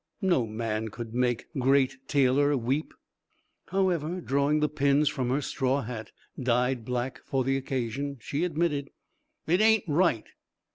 No man could make Great Taylor weep! However, drawing the pins from her straw hat, dyed black for the occasion, she admitted, "It ain't right."